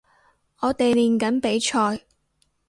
我哋練緊比賽